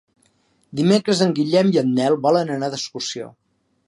Dimecres en Guillem i en Nel volen anar d'excursió.